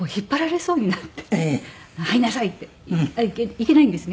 いけないんですね。